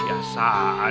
nggak usah nanya